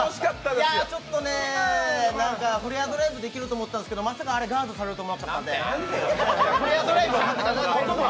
ちょっとねー、フレアドライブできると思ったんですけど、まさかあれをガードされるとは。